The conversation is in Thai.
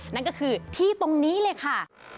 นั่นก็คือที่ตรงนี้เลยค่ะ